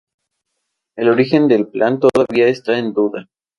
El origen del Plan todavía está en duda.